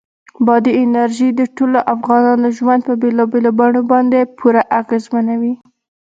بادي انرژي د ټولو افغانانو ژوند په بېلابېلو بڼو باندې پوره اغېزمنوي.